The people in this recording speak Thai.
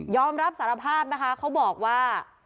อมรับสารภาพนะคะเขาบอกว่า